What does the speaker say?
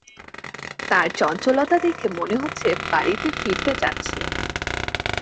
তার চঞ্চলতা দেখে মনে হচ্ছে বাড়িতে ফিরতে চাচ্ছে।